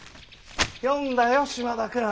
読んだよ島田君！